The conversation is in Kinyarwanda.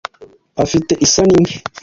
Afite isoni nke.